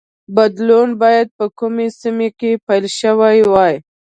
بدلون باید په کومه سیمه کې پیل شوی وای.